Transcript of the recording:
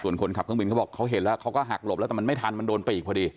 ส่วนคนขับเครื่องบินเขาบอกเขาเห็นแล้วเขาก็หักหลบแล้วแต่มันไม่ทันมันโดนไปอีกพอดี